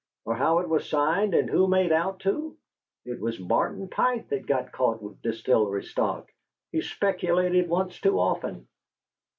Or how it was signed and who made out to? It was Martin Pike that got caught with distillery stock. He speculated once too often!"